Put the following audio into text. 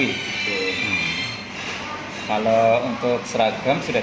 di sekolah baru dikoneksi di sekolah baru